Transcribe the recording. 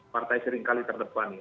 partai seringkali terdepan ya